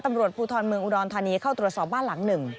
ตำรวจภูทรเมืองอุดรธานีเข้าตรวจสอบบ้านหลังหนึ่ง